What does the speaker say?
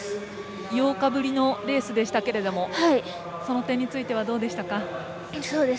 ８日ぶりのレースでしたがその点についてはどうでしたか？